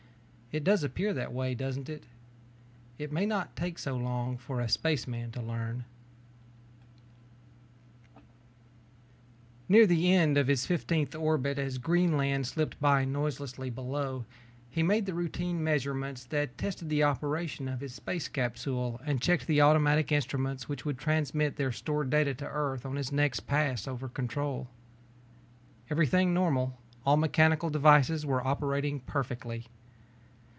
It does appear that way, doesn't it? It may not take so long for a spaceman to learn ..._ By JOHN CORY Illustrated by Gardner Near the end of his fifteenth orbit as Greenland slipped by noiselessly below, he made the routine measurements that tested the operation of his space capsule and checked the automatic instruments which would transmit their stored data to Earth on his next pass over Control. Everything normal; all mechanical devices were operating perfectly.